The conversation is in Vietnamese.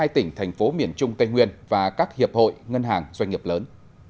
một mươi tỉnh thành phố miền trung tây nguyên và các hiệp hội ngân hàng doanh nghiệp lớn